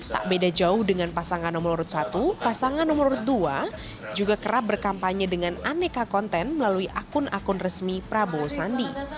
tak beda jauh dengan pasangan nomor urut satu pasangan nomor dua juga kerap berkampanye dengan aneka konten melalui akun akun resmi prabowo sandi